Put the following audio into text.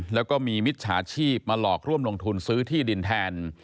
แล้วก็มีมิจฉาชีพมาหลอกร่วมลงทุนซื้อที่ดินแทน